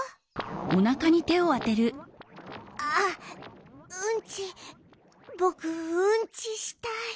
あっうんちぼくうんちしたい。